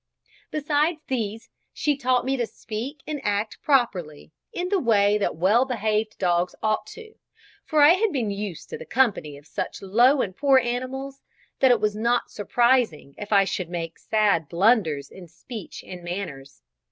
Besides these, she taught me to speak and act properly, in the way that well behaved dogs ought to do; for I had been used to the company of such low and poor animals, that it was not surprising if I should make sad blunders in speech and manners.